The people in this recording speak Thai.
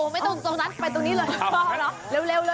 ไม่ต้องทรงนั้นไปตรงนี่เลยเร็ว